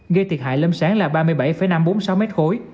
gây thiệt hại lâm sáng là ba mươi bảy năm trăm bốn mươi sáu mét khối